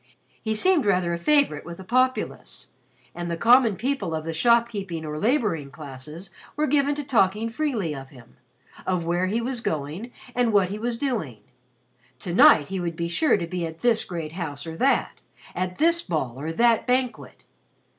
He seemed rather a favorite with the populace, and the common people of the shopkeeping or laboring classes were given to talking freely of him of where he was going and what he was doing. To night he would be sure to be at this great house or that, at this ball or that banquet.